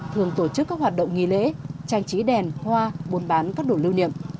thường tổ chức các hoạt động nghỉ lễ trang trí đèn hoa buôn bán các đồ lưu niệm